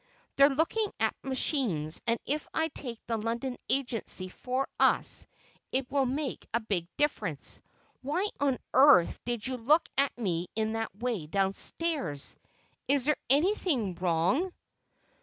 They're looking at machines, and if they take the London agency for us it will make a big difference. Why on earth did you look at me in that way downstairs? Is there anything wrong?"